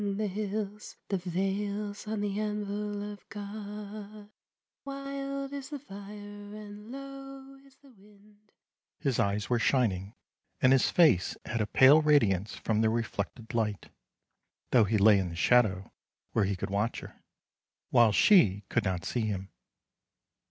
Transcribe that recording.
His eyes were shining, and his face had a pale radi ance from the reflected light, though he lay in the shadow where he could watch her, while she could not see him.